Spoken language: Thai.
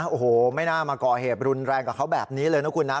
โอ้โหไม่น่ามาก่อเหตุรุนแรงกับเขาแบบนี้เลยนะคุณนะ